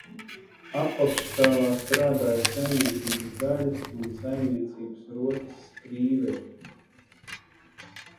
Apakšstāvā strādāja saimniecības daļas un saimniecības rotas skrīveri.